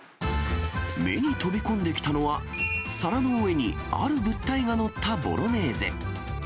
目に飛び込んできたのは、皿の上にある物体が載ったボロネーゼ。